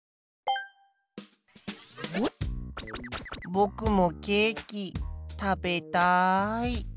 ぼくもケーキ食べたい。